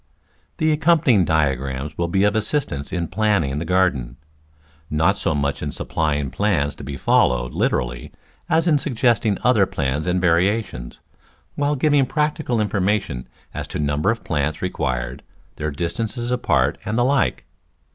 The accompanying diagrams will be of assistance in planning the garden — not so much in supplying plans to be followed literally as in suggesting other plans and variations, while giving practical information as to number of plants required, their distance apart and Digitized by Google ii The Flower Garden the like.